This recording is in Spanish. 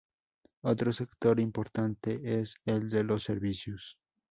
Otro sector importante es el de los servicios.